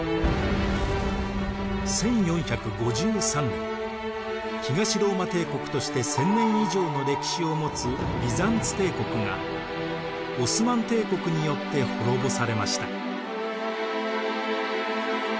１４５３年東ローマ帝国として１，０００年以上の歴史を持つビザンツ帝国がオスマン帝国によって滅ぼされました。